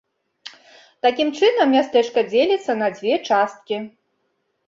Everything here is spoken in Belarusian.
Такім чынам мястэчка дзеліцца на дзве часткі.